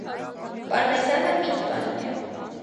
Պարմեզանը պինդ պանիր է։